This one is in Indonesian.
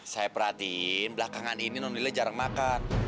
saya perhatiin belakangan ini nonnila jarang makan